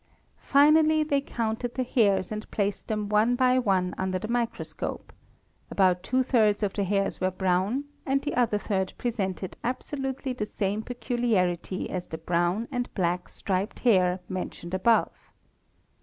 Finally they counted the hairs and placed them one by one under the microscope ; about two thirds of the hairs were brown and the other third presented |) absolutely the same peculiarity as the brown and black striped hair mentioned above.